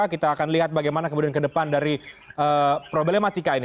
kita akan lihat bagaimana kemudian ke depan dari problematika ini